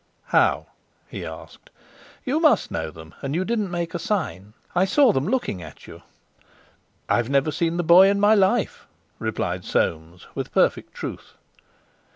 "How?" he asked. "You must know them; and you didn't make a sign. I saw them looking at you." "I've never seen the boy in my life," replied Soames with perfect truth.